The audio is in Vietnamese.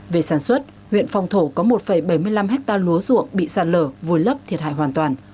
về sản xuất huyện phong thổ có một bảy mươi năm hectare lúa ruộng bị sạt lở vùi lấp thiệt hại hoàn toàn